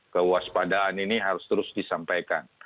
kewaspadaan ini harus terus disampaikan